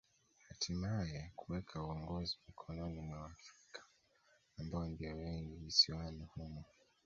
Hatimae kuweka uongozi mikononi mwa Waafrika ambao ndio wengi visiwani humo